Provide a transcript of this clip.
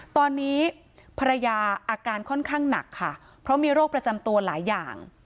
ตอนนี้ภรรยาอาการค่อนข้างหนักค่ะเพราะมีโรคประจำตัวหลายอย่าง